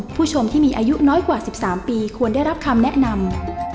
ผู้ชมที่มีอายุน้อยกว่า๑๓ปีควรได้รับคำแนะนำ